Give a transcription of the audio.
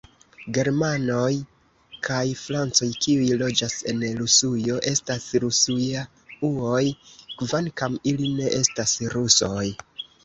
Germanoj kaj francoj, kiuj loĝas en Rusujo, estas Rusujauoj, kvankam ili ne estas rusoj.